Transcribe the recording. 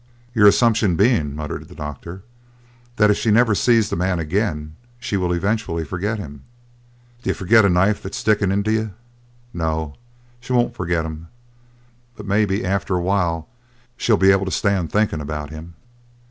"Your assumption being," murmured the doctor, "that if she never sees the man again she will eventually forget him." "D'you forget a knife that's sticking into you? No, she won't forget him. But maybe after a while she'll be able to stand thinkin' about him.